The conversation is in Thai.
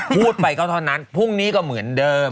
พูดไปก็เท่านั้นพรุ่งนี้ก็เหมือนเดิม